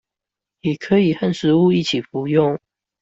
也可以和食物一起服用